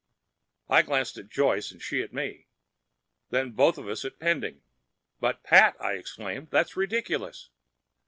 I glanced at Joyce, and she at me, then both of us at Pending. "But, Pat," I exclaimed, "that's ridiculous!